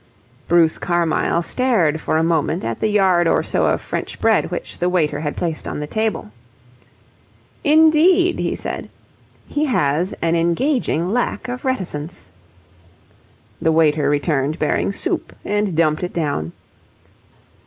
Bruce Carmyle stared for a moment at the yard or so of French bread which the waiter had placed on the table. "Indeed?" he said. "He has an engaging lack of reticence." The waiter returned bearing soup and dumped it down.